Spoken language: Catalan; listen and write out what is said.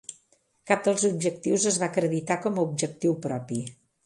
Cap dels objectius es va acreditar com a objectiu propi.